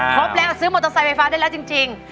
ครบแล้วซื้อมอเตอร์ไซค์ไฟฟ้าได้แล้วจริง